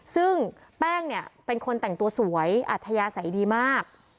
ซึ่งแป้งเนี่ยเป็นคนแต่งตัวสวยอัธยาศัยดีมาก